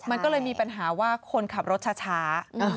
มันก็เลยมีปัญหาว่าคนขับรถช้า